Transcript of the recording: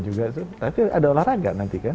nggak apa apa juga tapi ada olahraga nanti kan